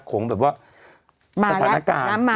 กรมป้องกันแล้วก็บรรเทาสาธารณภัยนะคะ